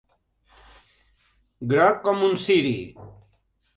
Groc com un ciri.